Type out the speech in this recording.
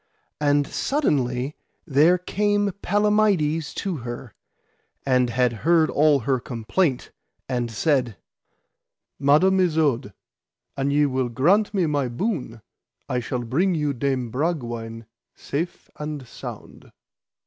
And suddenly there came Palamides to her, and had heard all her complaint, and said: Madam Isoud, an ye will grant me my boon, I shall bring to you Dame Bragwaine safe and sound.